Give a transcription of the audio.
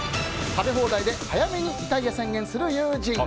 食べ放題で早めにリタイア宣言する友人。